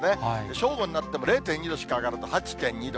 正午になっても０．２度しか上がらず８．２度。